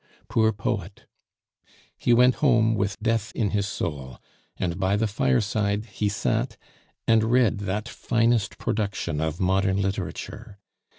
Poor poet! He went home with death in his soul; and by the fireside he sat and read that finest production of modern literature.